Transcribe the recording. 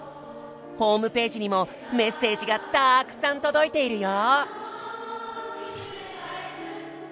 ホームページにもメッセージがたくさん届いているよ！